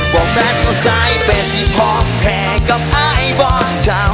บอกแม่ตัวสายเป็นสิพอแพ้กับไอ้บ้องเจ้า